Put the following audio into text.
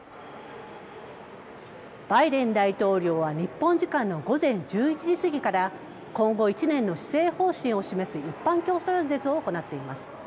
バイデン大統領は日本時間の午前１１時過ぎから今後１年の施政方針を示す一般教書演説を行っています。